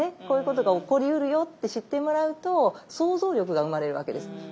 こういうことが起こりうるよって知ってもらうと想像力が生まれるわけです。